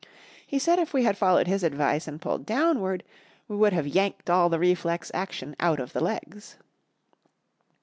He said if we had followed his advice and pulled downward we would have yanked all the reflex action out of the legs.